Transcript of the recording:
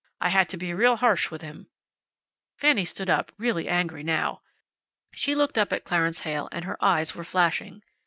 I had to be real harsh with him." Fanny stood up, really angry now. She looked up at Clarence Heyl, and her eyes were flashing.